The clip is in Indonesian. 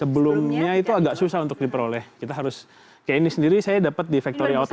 sebelumnya itu agak susah untuk diperoleh kita harus kayak ini sendiri saya dapat di factory outle